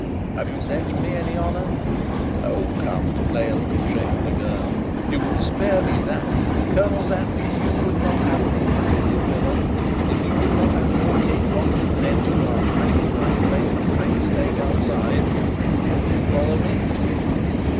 "Have you left me any honour?" "Oh, come, to play a little trick on a girl " "You can spare me that. Colonel Sapt, if you would not have me utterly a villain if you would not have your King rot in Zenda, while Michael and I play for the great stake outside You follow me?"